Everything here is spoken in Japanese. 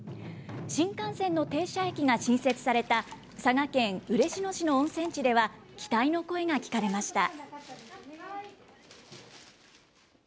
新幹線の停車駅が新設された、佐賀県嬉野市の温泉地では、期待の声が聞かれました。